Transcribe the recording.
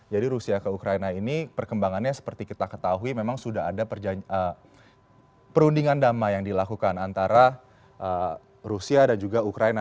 jadi rusia ke ukraina ini perkembangannya seperti kita ketahui memang sudah ada perundingan damai yang dilakukan antara rusia dan juga ukraina